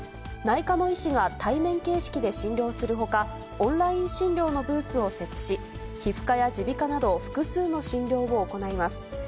内科の医師が対面形式で診療するほか、オンライン診療のブースを設置し、皮膚科や耳鼻科など複数の診療を行います。